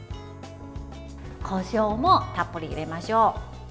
こしょうもたっぷり入れましょう。